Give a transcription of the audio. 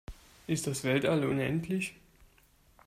Ist das Weltall unendlich?